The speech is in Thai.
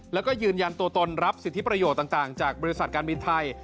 แล้วก็ยืนยันตัวตนรับสิทธิประโยชน์ต่างจากบริษัทการบินไทย